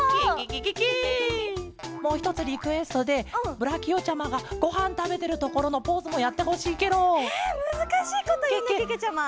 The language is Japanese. もうひとつリクエストでブラキオちゃまがごはんたべてるところのポーズもやってほしいケロ！えむずかしいこというねけけちゃま。